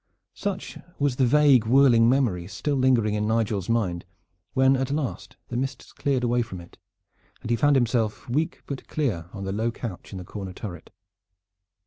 Such was the vague whirling memory still lingering in Nigel's mind when at last the mists cleared away from it and he found himself weak but clear on the low couch in the corner turret.